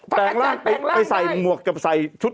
แปรงร่างไปใส่หมวกก็ไปใส่ชุด